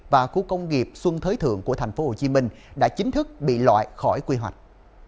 và khu công nghiệp xuân thới thượng của tp hcm đã chính thức bị loại khỏi quy hoạch